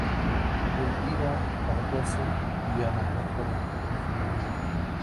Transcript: Él irá a la caza y a matar para recuperar su olla de oro.